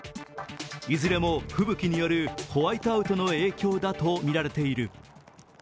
いずれも吹雪によるホワイトアウトの影響だとみられている。